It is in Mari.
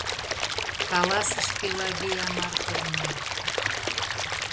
— каласыш Пелагея Марковна.